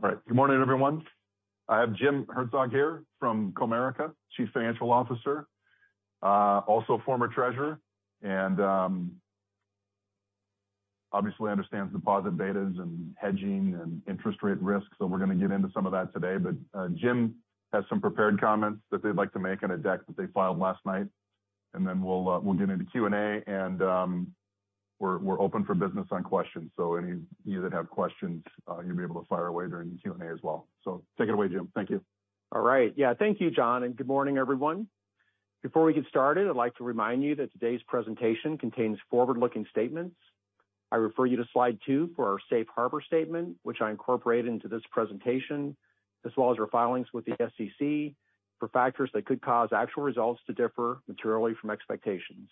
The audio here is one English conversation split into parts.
All right. Good morning, everyone. I have Jim Herzog here from Comerica, Chief Financial Officer, also former treasurer. Obviously understands deposit betas and hedging and interest rate risks. We're gonna get into some of that today. Jim has some prepared comments that they'd like to make in a deck that they filed last night. Then we'll get into Q&A. We're open for business on questions, so any of you that have questions, you'll be able to fire away during the Q&A as well. Take it away, Jim. Thank you. All right. Yeah, thank you, John. Good morning, everyone. Before we get started, I'd like to remind you that today's presentation contains forward-looking statements. I refer you to slide two for our safe harbor statement, which I incorporate into this presentation, as well as our filings with the SEC for factors that could cause actual results to differ materially from expectations.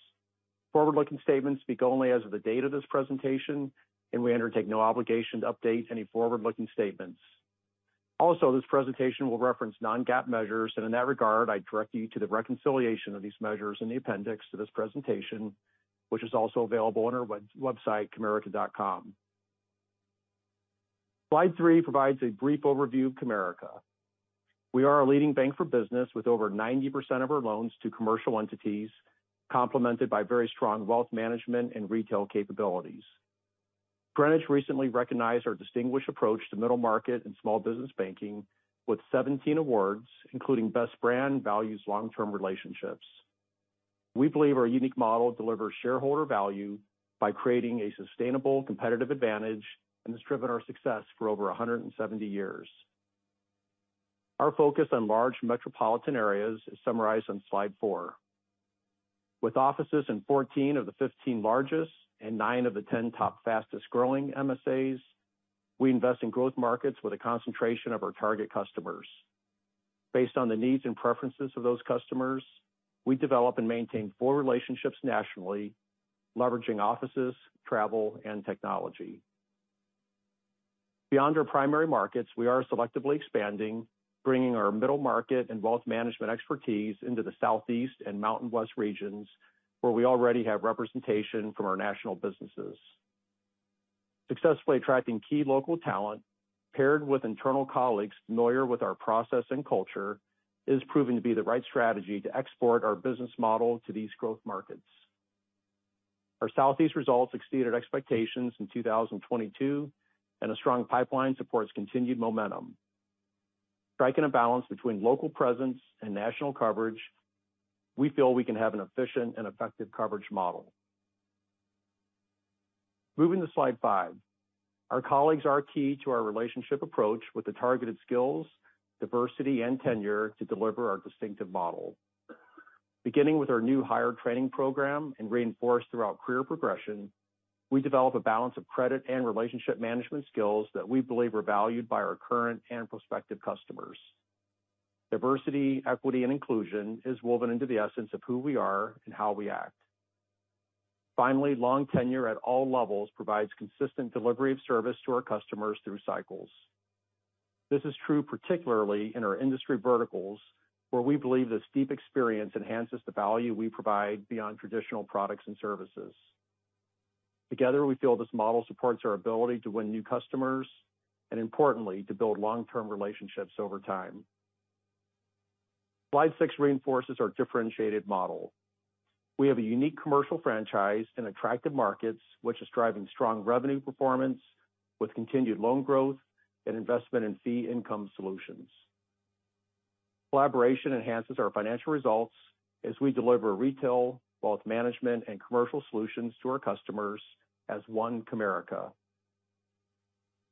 Forward-looking statements speak only as of the date of this presentation. We undertake no obligation to update any forward-looking statements. Also, this presentation will reference non-GAAP measures. In that regard, I direct you to the reconciliation of these measures in the appendix to this presentation, which is also available on our website, comerica.com. Slide three provides a brief overview of Comerica. We are a leading bank for business with over 90% of our loans to commercial entities, complemented by very strong wealth management and retail capabilities. Greenwich recently recognized our distinguished approach to middle market and small business banking with 17 awards, including Best Brand – Values Long-Term Relationships. We believe our unique model delivers shareholder value by creating a sustainable competitive advantage and has driven our success for over 170 years. Our focus on large metropolitan areas is summarized on slide four. With offices in 14 of the 15 largest and 9 of the 10 top fastest-growing MSAs, we invest in growth markets with a concentration of our target customers. Based on the needs and preferences of those customers, we develop and maintain 4 relationships nationally, leveraging offices, travel, and technology. Beyond our primary markets, we are selectively expanding, bringing our middle market and wealth management expertise into the Southeast and Mountain West regions, where we already have representation from our national businesses. Successfully attracting key local talent paired with internal colleagues familiar with our process and culture is proving to be the right strategy to export our business model to these growth markets. Our Southeast results exceeded expectations in 2022. A strong pipeline supports continued momentum. Striking a balance between local presence and national coverage, we feel we can have an efficient and effective coverage model. Moving to slide five. Our colleagues are key to our relationship approach with the targeted skills, diversity and tenure to deliver our distinctive model. Beginning with our new hire training program and reinforced throughout career progression, we develop a balance of credit and relationship management skills that we believe are valued by our current and prospective customers. Diversity, equity, and inclusion is woven into the essence of who we are and how we act. Finally, long tenure at all levels provides consistent delivery of service to our customers through cycles. This is true particularly in our industry verticals, where we believe this deep experience enhances the value we provide beyond traditional products and services. Together, we feel this model supports our ability to win new customers and, importantly, to build long-term relationships over time. Slide six reinforces our differentiated model. We have a unique commercial franchise in attractive markets, which is driving strong revenue performance with continued loan growth and investment in fee income solutions. Collaboration enhances our financial results as we deliver retail, wealth management, and commercial solutions to our customers as one Comerica.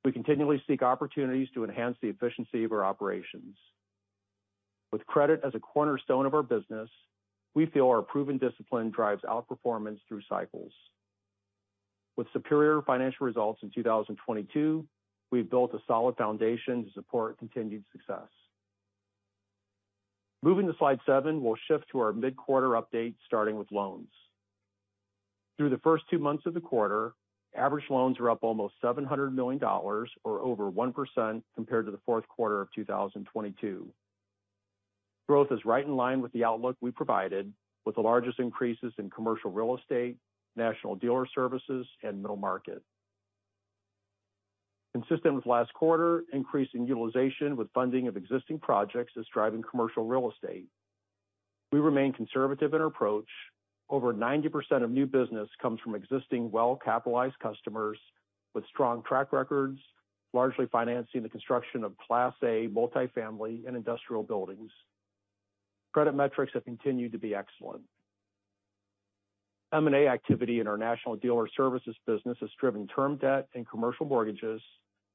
We continually seek opportunities to enhance the efficiency of our operations. With credit as a cornerstone of our business, we feel our proven discipline drives outperformance through cycles. With superior financial results in 2022, we've built a solid foundation to support continued success. Moving to slide seven, we'll shift to our mid-quarter update, starting with loans. Through the first two months of the quarter, average loans are up almost $700 million or over 1% compared to the fourth quarter of 2022. Growth is right in line with the outlook we provided, with the largest increases in commercial real estate, National Dealer Services, and middle market. Consistent with last quarter, increase in utilization with funding of existing projects is driving commercial real estate. We remain conservative in our approach. Over 90% of new business comes from existing well-capitalized customers with strong track records, largely financing the construction of Class A multifamily and industrial buildings. Credit metrics have continued to be excellent. M&A activity in our National Dealer Services business has driven term debt and commercial mortgages,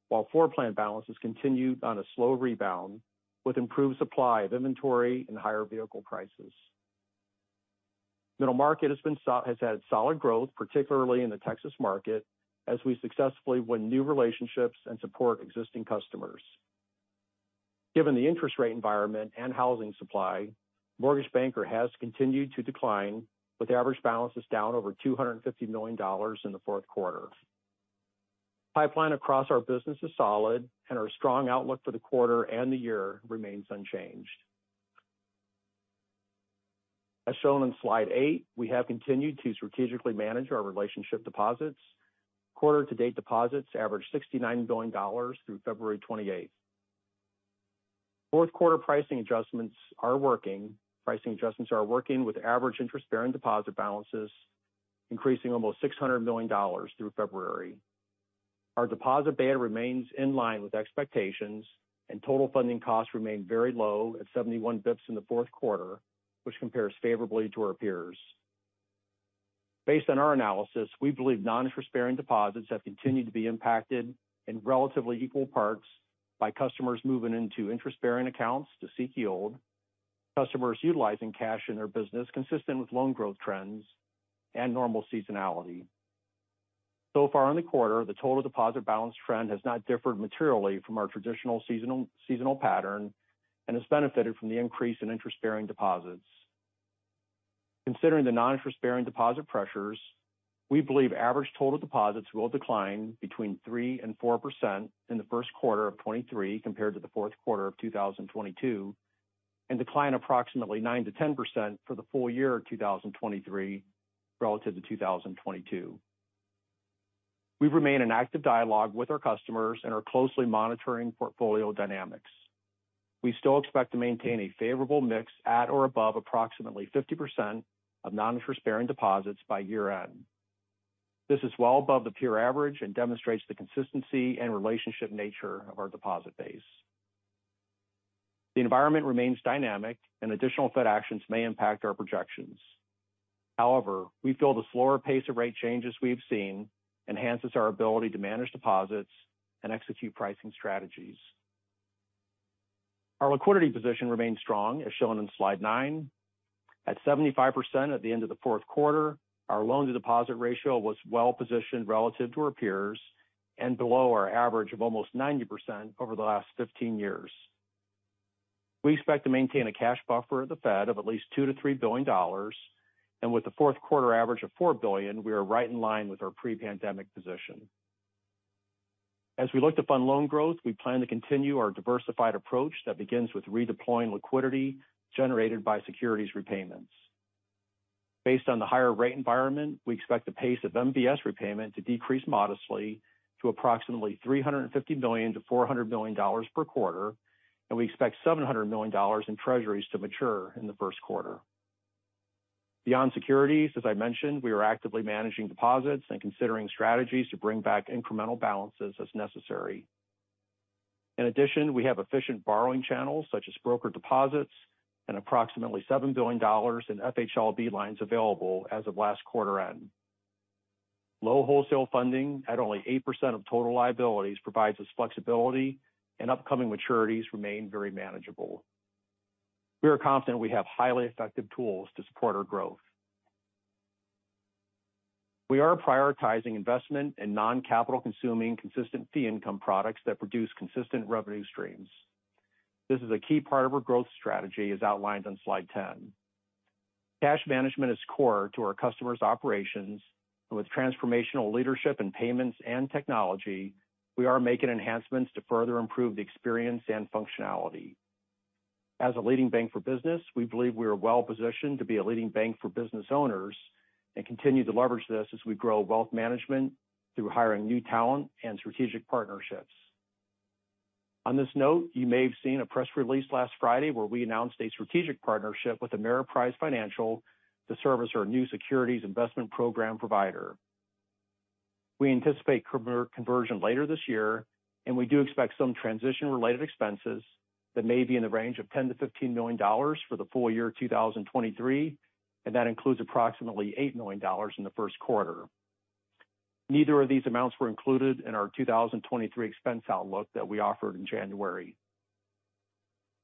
while floorplan balances continued on a slow rebound with improved supply of inventory and higher vehicle prices. Middle market has had solid growth, particularly in the Texas market, as we successfully win new relationships and support existing customers. Given the interest rate environment and housing supply, mortgage banker has continued to decline, with average balances down over $250 million in the fourth quarter. Pipeline across our business is solid, and our strong outlook for the quarter and the year remains unchanged. As shown on slide eight, we have continued to strategically manage our relationship deposits. Quarter to date deposits average $69 billion through February 28th. Fourth quarter pricing adjustments are working. Pricing adjustments are working with average interest-bearing deposit balances increasing almost $600 million through February. Our deposit beta remains in line with expectations and total funding costs remain very low at 71 basis points in the fourth quarter, which compares favorably to our peers. Based on our analysis, we believe non-interest-bearing deposits have continued to be impacted in relatively equal parts by customers moving into interest-bearing accounts to seek yield, customers utilizing cash in their business consistent with loan growth trends and normal seasonality. Far in the quarter, the total deposit balance trend has not differed materially from our traditional seasonal pattern and has benefited from the increase in interest-bearing deposits. Considering the non-interest-bearing deposit pressures, we believe average total deposits will decline between 3% and 4% in the first quarter of 2023 compared to the fourth quarter of 2022, and decline approximately 9%-10% for the full year of 2023 relative to 2022. We remain in active dialogue with our customers and are closely monitoring portfolio dynamics. We still expect to maintain a favorable mix at or above approximately 50% of non-interest-bearing deposits by year-end. This is well above the peer average and demonstrates the consistency and relationship nature of our deposit base. The environment remains dynamic and additional Fed actions may impact our projections. We feel the slower pace of rate changes we have seen enhances our ability to manage deposits and execute pricing strategies. Our liquidity position remains strong, as shown in slide nine. At 75% at the end of the fourth quarter, our loan to deposit ratio was well positioned relative to our peers and below our average of almost 90% over the last 15 years. We expect to maintain a cash buffer at the Fed of at least $2 billion-$3 billion, and with the fourth quarter average of $4 billion, we are right in line with our pre-pandemic position. We look to fund loan growth, we plan to continue our diversified approach that begins with redeploying liquidity generated by securities repayments. Based on the higher rate environment, we expect the pace of MBS repayment to decrease modestly to approximately $350 million-$400 million per quarter. We expect $700 million in treasuries to mature in the first quarter. Beyond securities, as I mentioned, we are actively managing deposits and considering strategies to bring back incremental balances as necessary. In addition, we have efficient borrowing channels such as brokered deposits and approximately $7 billion in FHLB lines available as of last quarter end. Low wholesale funding at only 8% of total liabilities provides us flexibility. Upcoming maturities remain very manageable. We are confident we have highly effective tools to support our growth. We are prioritizing investment in non-capital consuming consistent fee income products that produce consistent revenue streams. This is a key part of our growth strategy, as outlined on slide 10. Cash management is core to our customers' operations and with transformational leadership in payments and technology, we are making enhancements to further improve the experience and functionality. As a leading bank for business, we believe we are well positioned to be a leading bank for business owners and continue to leverage this as we grow wealth management through hiring new talent and strategic partnerships. On this note, you may have seen a press release last Friday where we announced a strategic partnership with Ameriprise Financial to serve as our new securities investment program provider. We anticipate conversion later this year. We do expect some transition related expenses that may be in the range of $10 million-$15 million for the full year 2023. That includes approximately $8 million in the first quarter. Neither of these amounts were included in our 2023 expense outlook that we offered in January.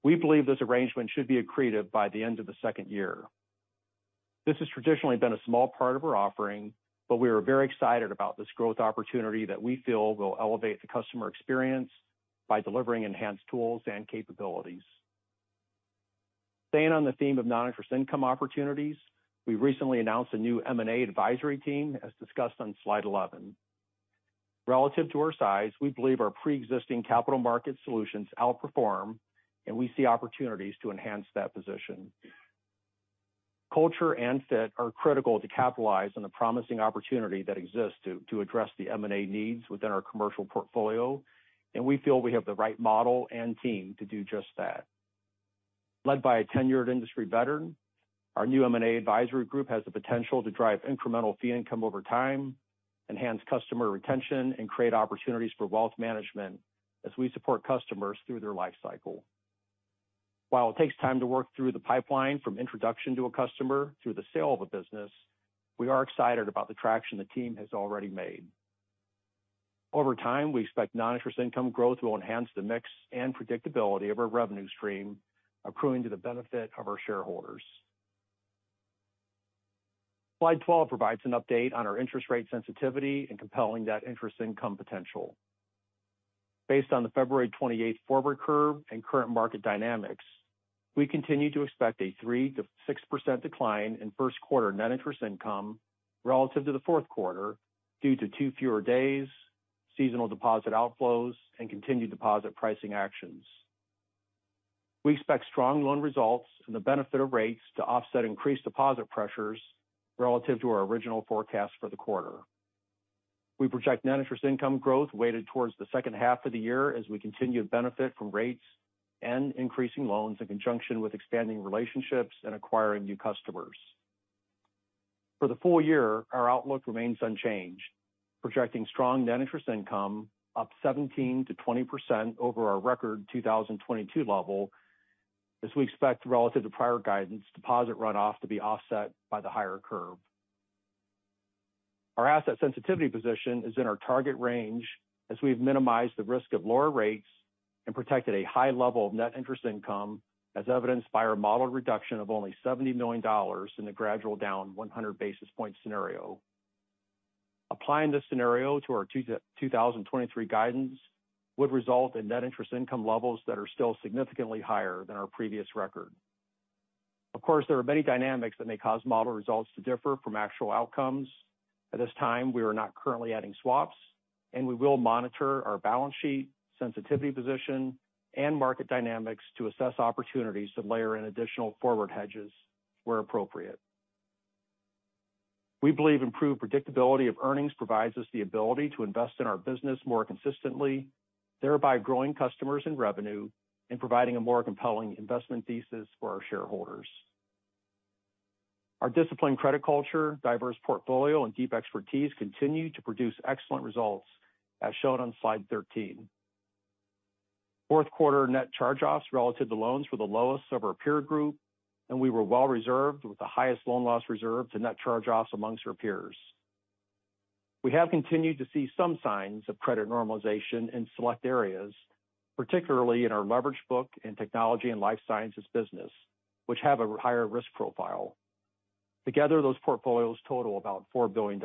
We believe this arrangement should be accretive by the end of the second year. This has traditionally been a small part of our offering. We are very excited about this growth opportunity that we feel will elevate the customer experience by delivering enhanced tools and capabilities. Staying on the theme of non-interest income opportunities, we recently announced a new M&A advisory team, as discussed on slide 11. Relative to our size, we believe our pre-existing capital market solutions outperform and we see opportunities to enhance that position. Culture and fit are critical to capitalize on the promising opportunity that exists to address the M&A needs within our commercial portfolio, and we feel we have the right model and team to do just that. Led by a tenured industry veteran, our new M&A advisory group has the potential to drive incremental fee income over time, enhance customer retention and create opportunities for wealth management as we support customers through their life cycle. While it takes time to work through the pipeline from introduction to a customer through the sale of a business, we are excited about the traction the team has already made. Over time, we expect non-interest income growth will enhance the mix and predictability of our revenue stream accruing to the benefit of our shareholders. Slide 12 provides an update on our interest rate sensitivity and compelling that net interest income potential. Based on the February 28th forward curve and current market dynamics, we continue to expect a 3%-6% decline in first quarter net interest income relative to the fourth quarter due to two fewer days, seasonal deposit outflows and continued deposit pricing actions. We expect strong loan results and the benefit of rates to offset increased deposit pressures relative to our original forecast for the quarter. We project net interest income growth weighted towards the second half of the year as we continue to benefit from rates and increasing loans in conjunction with expanding relationships and acquiring new customers. For the full year, our outlook remains unchanged, projecting strong net interest income up 17%-20% over our record 2022 level as we expect relative to prior guidance deposit runoff to be offset by the higher curve. Our asset sensitivity position is in our target range as we've minimized the risk of lower rates and protected a high level of net interest income, as evidenced by our modeled reduction of only $70 million in the gradual down 100 basis point scenario. Applying this scenario to our 2023 guidance would result in net interest income levels that are still significantly higher than our previous record. Of course, there are many dynamics that may cause model results to differ from actual outcomes. At this time, we are not currently adding swaps, and we will monitor our balance sheet, sensitivity position, and market dynamics to assess opportunities to layer in additional forward hedges where appropriate. We believe improved predictability of earnings provides us the ability to invest in our business more consistently, thereby growing customers and revenue and providing a more compelling investment thesis for our shareholders. Our disciplined credit culture, diverse portfolio, and deep expertise continue to produce excellent results, as shown on slide 13. Fourth quarter net charge-offs relative to loans were the lowest of our peer group, and we were well reserved with the highest loan loss reserve to net charge-offs amongst our peers. We have continued to see some signs of credit normalization in select areas, particularly in our leverage book in Technology and Life Sciences business, which have a higher risk profile. Together, those portfolios total about $4 billion.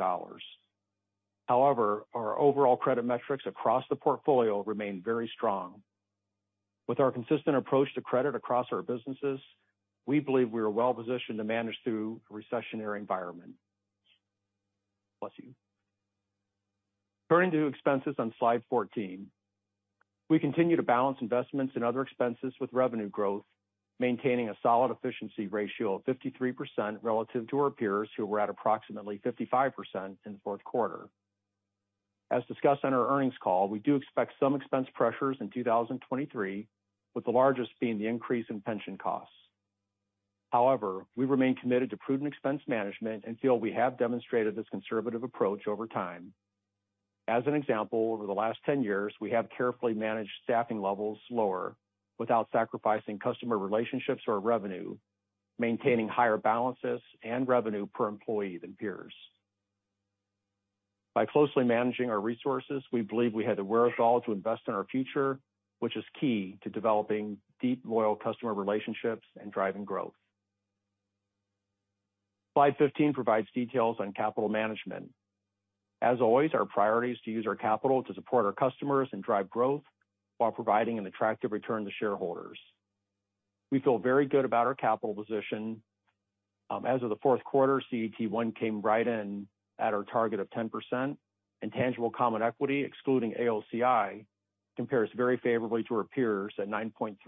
However, our overall credit metrics across the portfolio remain very strong. With our consistent approach to credit across our businesses, we believe we are well positioned to manage through a recessionary environment. Bless you. Turning to expenses on slide 14. We continue to balance investments and other expenses with revenue growth, maintaining a solid efficiency ratio of 53% relative to our peers, who were at approximately 55% in the fourth quarter. As discussed on our earnings call, we do expect some expense pressures in 2023, with the largest being the increase in pension costs. However, we remain committed to prudent expense management and feel we have demonstrated this conservative approach over time. As an example, over the last 10 years, we have carefully managed staffing levels lower without sacrificing customer relationships or revenue, maintaining higher balances and revenue per employee than peers. By closely managing our resources, we believe we had the wherewithal to invest in our future, which is key to developing deep, loyal customer relationships and driving growth. Slide 15 provides details on capital management. As always, our priority is to use our capital to support our customers and drive growth while providing an attractive return to shareholders. We feel very good about our capital position. As of the fourth quarter, CET1 came right in at our target of 10%, and tangible common equity, excluding AOCI, compares very favorably to our peers at 9.3%.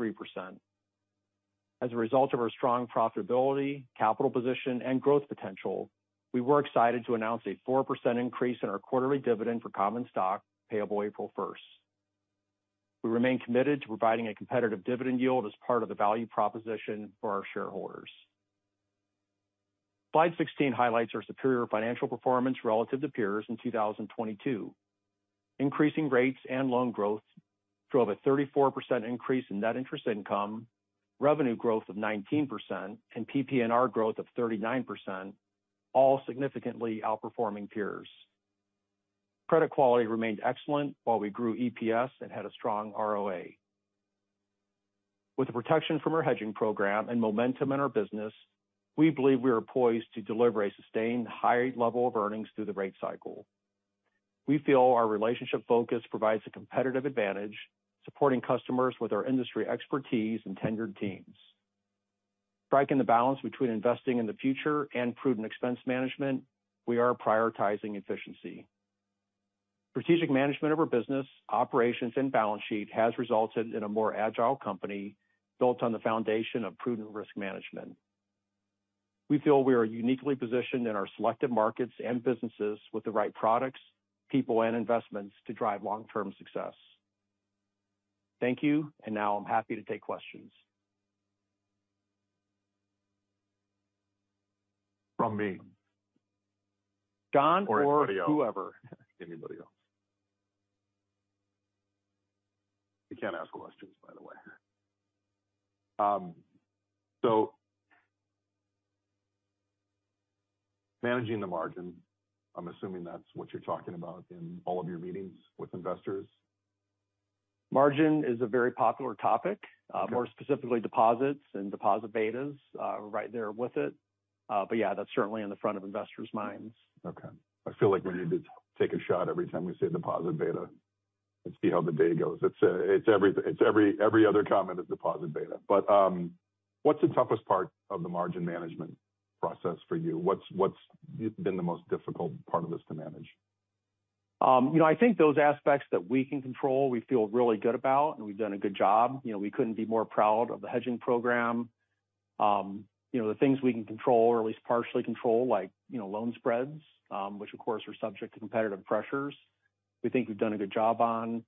As a result of our strong profitability, capital position and growth potential, we were excited to announce a 4% increase in our quarterly dividend for common stock payable April 1st. We remain committed to providing a competitive dividend yield as part of the value proposition for our shareholders. Slide 16 highlights our superior financial performance relative to peers in 2022. Increasing rates and loan growth drove a 34% increase in net interest income, revenue growth of 19% and PPNR growth of 39%, all significantly outperforming peers. Credit quality remained excellent while we grew EPS and had a strong ROA. With the protection from our hedging program and momentum in our business, we believe we are poised to deliver a sustained high level of earnings through the rate cycle. We feel our relationship focus provides a competitive advantage, supporting customers with our industry expertise and tenured teams. Striking the balance between investing in the future and prudent expense management, we are prioritizing efficiency. Strategic management of our business, operations and balance sheet has resulted in a more agile company built on the foundation of prudent risk management. We feel we are uniquely positioned in our selected markets and businesses with the right products, people and investments to drive long-term success. Thank you. Now I'm happy to take questions. From me. Don or whoever. Anybody else. Anybody else. You can't ask questions, by the way. Managing the margin, I'm assuming that's what you're talking about in all of your meetings with investors. Margin is a very popular topic. Okay. More specifically, deposits and deposit betas are right there with it. Yeah, that's certainly in the front of investors' minds. Okay. I feel like we need to take a shot every time we say deposit beta. Let's see how the day goes. It's, it's every other comment is deposit beta. What's the toughest part of the margin management process for you? What's been the most difficult part of this to manage? You know, I think those aspects that we can control, we feel really good about, and we've done a good job. You know, we couldn't be more proud of the hedging program. You know, the things we can control or at least partially control, like, you know, loan spreads, which of course are subject to competitive pressures. We think we've done a good job on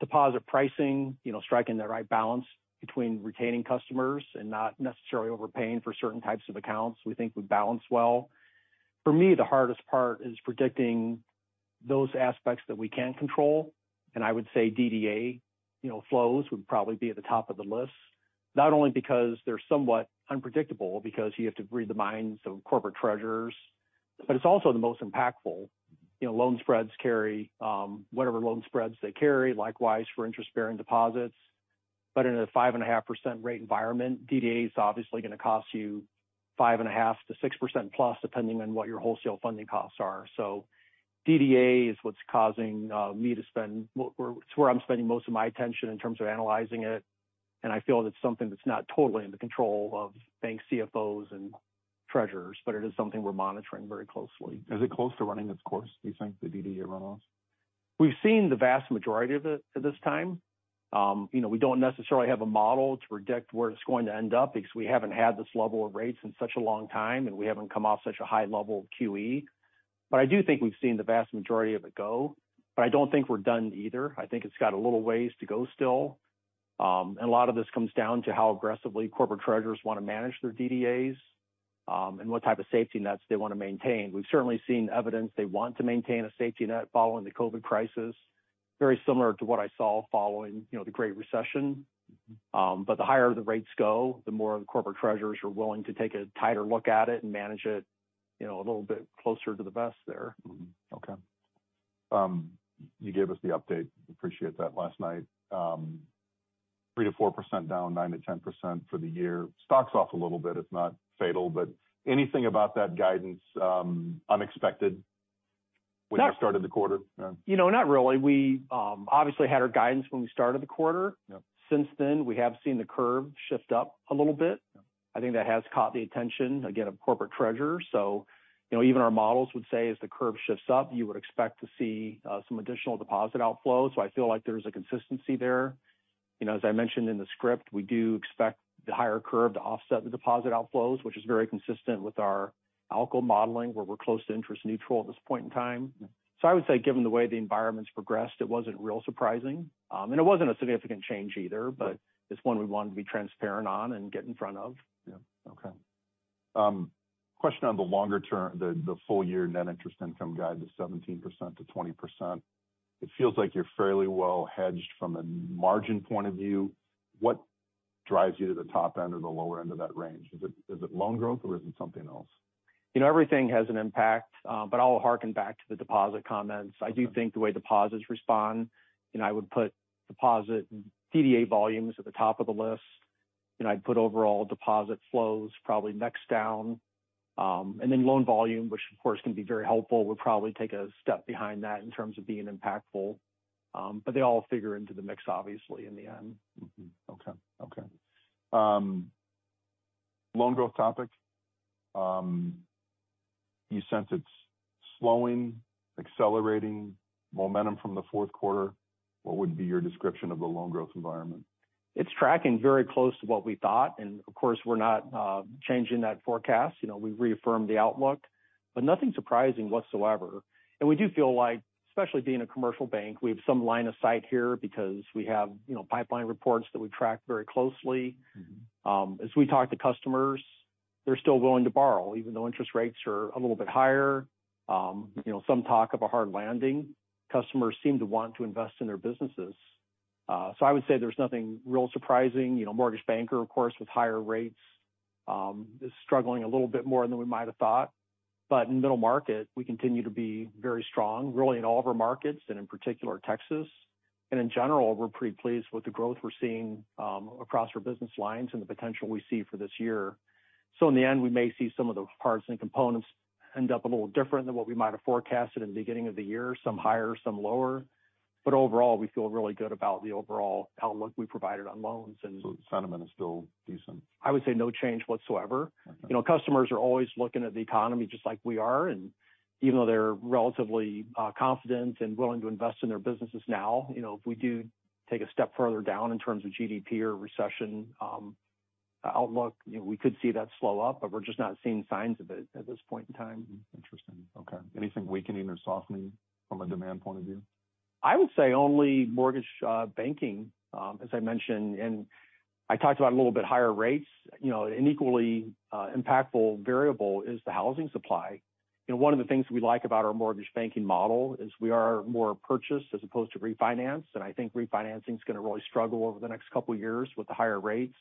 deposit pricing, you know, striking the right balance between retaining customers and not necessarily overpaying for certain types of accounts. We think we balance well. For me, the hardest part is predicting those aspects that we can't control. I would say DDA, you know, flows would probably be at the top of the list, not only because they're somewhat unpredictable because you have to read the minds of corporate treasurers, but it's also the most impactful. You know, loan spreads carry, whatever loan spreads they carry, likewise for interest-bearing deposits. In a 5.5% rate environment, DDA is obviously gonna cost you 5.5%-6%+, depending on what your wholesale funding costs are. DDA is what's causing me to spend, It's where I'm spending most of my attention in terms of analyzing it, and I feel it's something that's not totally in the control of bank CFOs and treasurers, but it is something we're monitoring very closely. Is it close to running its course, do you think, the DDA run-offs? We've seen the vast majority of it at this time. you know, we don't necessarily have a model to predict where it's going to end up because we haven't had this level of rates in such a long time, and we haven't come off such a high level of QE. I do think we've seen the vast majority of it go, but I don't think we're done either. I think it's got a little ways to go still. A lot of this comes down to how aggressively corporate treasurers wanna manage their DDAs, and what type of safety nets they want to maintain. We've certainly seen evidence they want to maintain a safety net following the COVID crisis, very similar to what I saw following, you know, the Great Recession. Mm-hmm. The higher the rates go, the more the corporate treasurers are willing to take a tighter look at it and manage it, you know, a little bit closer to the vest there. Okay. You gave us the update, appreciate that, last night. 3%-4% down, 9%-10% for the year. Stock's off a little bit. It's not fatal. Anything about that guidance, unexpected when you started the quarter? You know, not really. We, obviously had our guidance when we started the quarter. Yeah. Since then, we have seen the curve shift up a little bit. Yeah. I think that has caught the attention, again, of corporate treasurers. You know, even our models would say as the curve shifts up, you would expect to see some additional deposit outflows. I feel like there's a consistency there. You know, as I mentioned in the script, we do expect the higher curve to offset the deposit outflows, which is very consistent with our ALCO modeling, where we're close to interest neutral at this point in time. Yeah. I would say, given the way the environment's progressed, it wasn't real surprising. It wasn't a significant change either, but it's one we wanted to be transparent on and get in front of. Yeah. Okay. question on the longer term, the full-year net interest income guide to 17%-20%. It feels like you're fairly well hedged from a margin point of view. What drives you to the top end or the lower end of that range? Is it, is it loan growth, or is it something else? You know, everything has an impact. I'll harken back to the deposit comments. I do think the way deposits respond. I would put deposit DDA volumes at the top of the list, and I'd put overall deposit flows probably next down. Then loan volume, which of course can be very helpful, would probably take a step behind that in terms of being impactful. They all figure into the mix, obviously, in the end. Okay. Okay. Loan growth topic. You sense it's slowing, accelerating momentum from the fourth quarter. What would be your description of the loan growth environment? It's tracking very close to what we thought. Of course, we're not changing that forecast. You know, we reaffirmed the outlook, but nothing surprising whatsoever. We do feel like, especially being a commercial bank, we have some line of sight here because we have, you know, pipeline reports that we track very closely. Mm-hmm. As we talk to customers, they're still willing to borrow, even though interest rates are a little bit higher. You know, some talk of a hard landing. Customers seem to want to invest in their businesses. I would say there's nothing real surprising. You know, mortgage banker, of course, with higher rates, is struggling a little bit more than we might have thought. In middle market, we continue to be very strong, really in all of our markets, and in particular, Texas. In general, we're pretty pleased with the growth we're seeing across our business lines and the potential we see for this year. In the end, we may see some of the parts and components end up a little different than what we might have forecasted in the beginning of the year, some higher, some lower. Overall, we feel really good about the overall outlook we provided on loans and... The sentiment is still decent. I would say no change whatsoever. Okay. You know, customers are always looking at the economy just like we are. Even though they're relatively confident and willing to invest in their businesses now, you know, if we do take a step further down in terms of GDP or recession, outlook, you know, we could see that slow up, but we're just not seeing signs of it at this point in time. Interesting. Okay. Anything weakening or softening from a demand point of view? I would say only mortgage banking, as I mentioned, and I talked about a little bit higher rates. You know, an equally impactful variable is the housing supply. You know, one of the things we like about our mortgage banking model is we are more purchase as opposed to refinance, and I think refinancing is gonna really struggle over the next couple of years with the higher rates.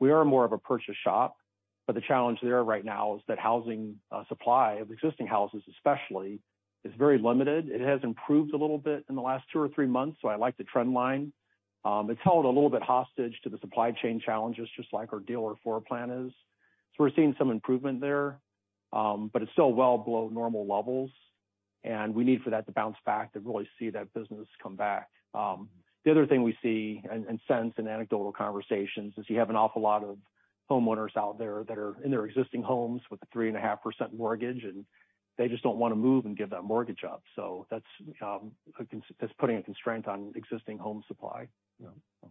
We are more of a purchase shop, but the challenge there right now is that housing supply of existing houses especially, is very limited. It has improved a little bit in the last two or three months, so I like the trend line. It's held a little bit hostage to the supply chain challenges, just like our dealer floor plan is. We're seeing some improvement there. It's still well below normal levels, and we need for that to bounce back to really see that business come back. The other thing we see and sense in anecdotal conversations is you have an awful lot of homeowners out there that are in their existing homes with a 3.5% mortgage, and they just don't wanna move and give that mortgage up. That's putting a constraint on existing home supply. Yeah.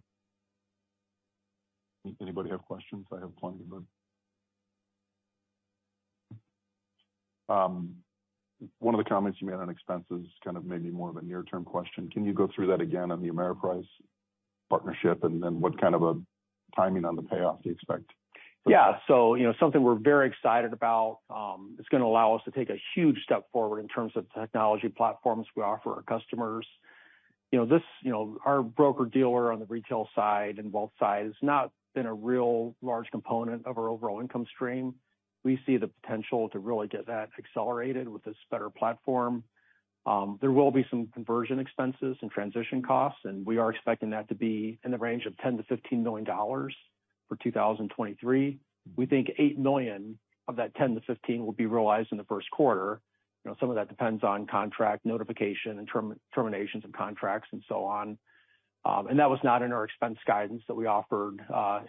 Anybody have questions? I have plenty. One of the comments you made on expenses kind of made me more of a near-term question. Can you go through that again on the Ameriprise partnership and then what kind of a timing on the payoff to expect? You know, something we're very excited about, it's gonna allow us to take a huge step forward in terms of technology platforms we offer our customers. You know, this, you know, our broker-dealer on the retail side and wealth side has not been a real large component of our overall income stream. We see the potential to really get that accelerated with this better platform. There will be some conversion expenses and transition costs, and we are expecting that to be in the range of $10 million-$15 million for 2023. We think $8 million of that $10 million-$15 million will be realized in the first quarter. You know, some of that depends on contract notification and terminations of contracts and so on. That was not in our expense guidance that we offered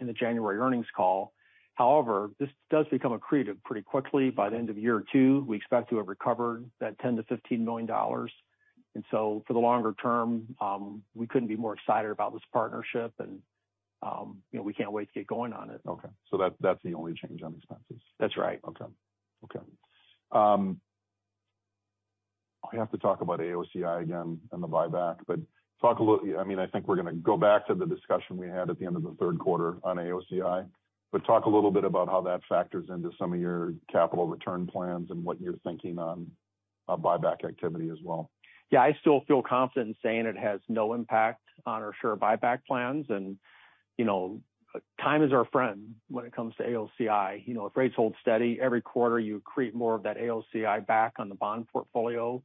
in the January earnings call. However, this does become accretive pretty quickly. By the end of year two, we expect to have recovered that $10 million-$15 million. For the longer term, we couldn't be more excited about this partnership and, you know, we can't wait to get going on it. Okay. That's the only change on expenses? That's right. Okay. Okay. We have to talk about AOCI again and the buyback, but talk a little... I mean, I think we're gonna go back to the discussion we had at the end of the third quarter on AOCI. Talk a little bit about how that factors into some of your capital return plans and what you're thinking on buyback activity as well. Yeah. I still feel confident in saying it has no impact on our share buyback plans. You know, time is our friend when it comes to AOCI. You know, if rates hold steady, every quarter you accrete more of that AOCI back on the bond portfolio.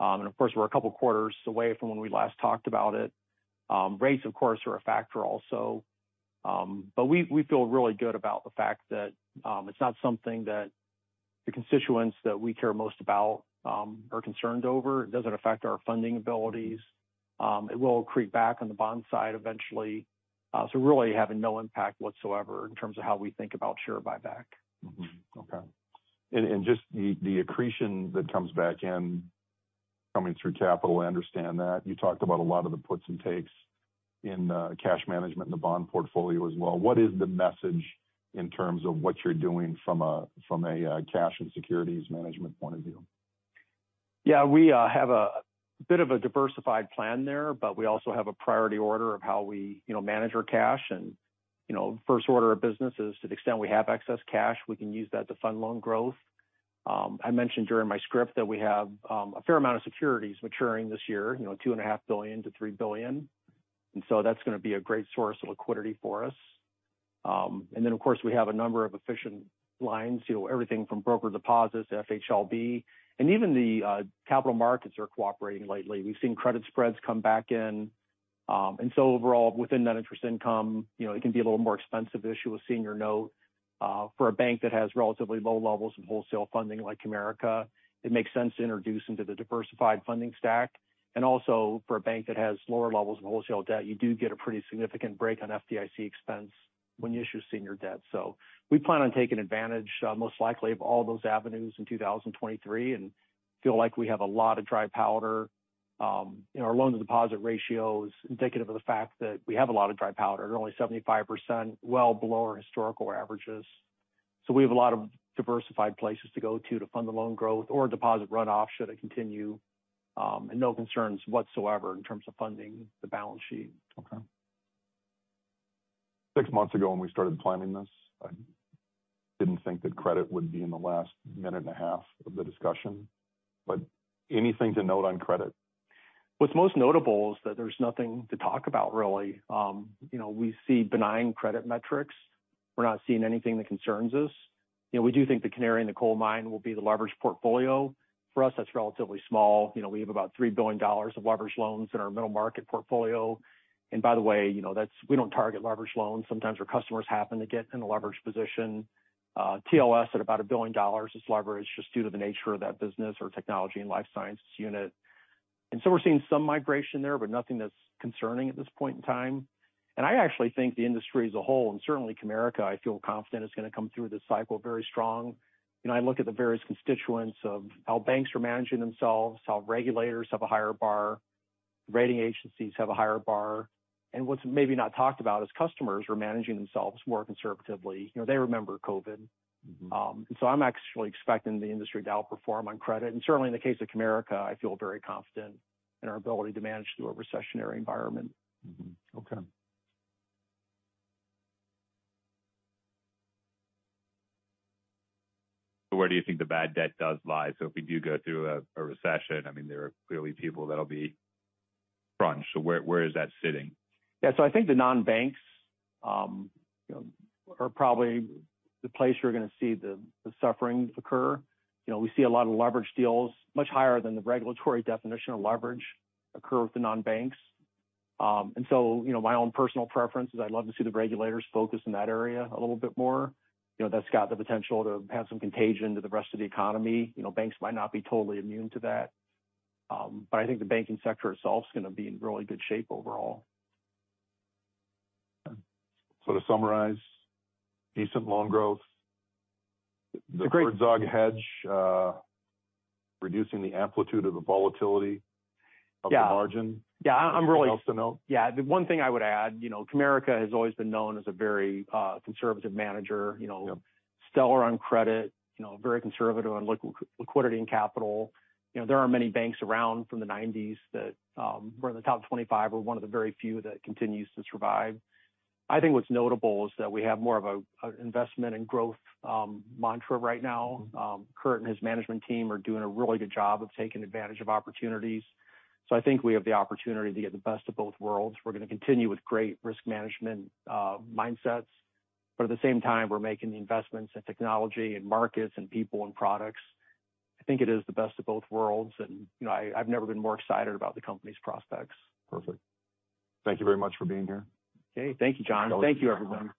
Of course, we're a couple quarters away from when we last talked about it. Rates of course are a factor also. We feel really good about the fact that it's not something that the constituents that we care most about are concerned over. It doesn't affect our funding abilities. It will accrete back on the bond side eventually. Really having no impact whatsoever in terms of how we think about share buyback. Okay. Just the accretion that comes back in coming through capital, I understand that. You talked about a lot of the puts and takes in cash management in the bond portfolio as well. What is the message in terms of what you're doing from a cash and securities management point of view. Yeah. We have a bit of a diversified plan there, but we also have a priority order of how we, you know, manage our cash. First order of business is to the extent we have excess cash, we can use that to fund loan growth. I mentioned during my script that we have a fair amount of securities maturing this year, you know, $2.5 billion-$3 billion. That's gonna be a great source of liquidity for us. Then of course, we have a number of efficient lines, you know, everything from brokered deposits to FHLB, and even the capital markets are cooperating lately. We've seen credit spreads come back in. Overall, within that interest income, you know, it can be a little more expensive to issue a senior note. For a bank that has relatively low levels of wholesale funding like Comerica, it makes sense to introduce into the diversified funding stack. For a bank that has lower levels of wholesale debt, you do get a pretty significant break on FDIC expense when you issue senior debt. We plan on taking advantage, most likely of all those avenues in 2023 and feel like we have a lot of dry powder. Our loan-to-deposit ratio is indicative of the fact that we have a lot of dry powder. They're only 75%, well below our historical averages. We have a lot of diversified places to go to to fund the loan growth or deposit runoff should it continue. No concerns whatsoever in terms of funding the balance sheet. Okay. Six months ago when we started planning this, I didn't think that credit would be in the last minute and a half of the discussion. Anything to note on credit? What's most notable is that there's nothing to talk about really. you know, we see benign credit metrics. We're not seeing anything that concerns us. You know, we do think the canary in the coal mine will be the leverage portfolio. For us, that's relatively small. you know, we have about $3 billion of leverage loans in our middle market portfolio. By the way, you know, we don't target leverage loans. Sometimes our customers happen to get in a leverage position. TLS at about $1 billion is leveraged just due to the nature of that business or Technology and Life Sciences unit. So we're seeing some migration there, but nothing that's concerning at this point in time. I actually think the industry as a whole, and certainly Comerica, I feel confident, is gonna come through this cycle very strong. You know, I look at the various constituents of how banks are managing themselves, how regulators have a higher bar, rating agencies have a higher bar. What's maybe not talked about is customers are managing themselves more conservatively. You know, they remember COVID. Mm-hmm. I'm actually expecting the industry to outperform on credit. Certainly in the case of Comerica, I feel very confident in our ability to manage through a recessionary environment. Mm-hmm. Okay. Where do you think the bad debt does lie? If we do go through a recession, I mean, there are clearly people that'll be crunched. Where is that sitting? Yeah. I think the non-banks, you know, are probably the place you're gonna see the suffering occur. You know, we see a lot of leverage deals much higher than the regulatory definition of leverage occur with the non-banks. You know, my own personal preference is I'd love to see the regulators focus in that area a little bit more. You know, that's got the potential to have some contagion to the rest of the economy. You know, banks might not be totally immune to that. I think the banking sector itself is gonna be in really good shape overall. To summarize, decent loan growth. It's a great-. The dog hedge, reducing the amplitude of the volatility of the margin. Yeah. I'm really- Anything else to note? The one thing I would add, you know, Comerica has always been known as a very conservative manager. Yeah. Stellar on credit, you know, very conservative on liquidity and capital. You know, there aren't many banks around from the 1990s that we're in the top 25. We're one of the very few that continues to survive. I think what's notable is that we have more of a investment and growth mantra right now. Curt and his management team are doing a really good job of taking advantage of opportunities. I think we have the opportunity to get the best of both worlds. We're gonna continue with great risk management mindsets, but at the same time, we're making the investments in technology and markets and people and products. I think it is the best of both worlds and, you know, I've never been more excited about the company's prospects. Perfect. Thank you very much for being here. Okay. Thank you, John. Thank you, everyone.